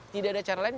tidak ada cara lain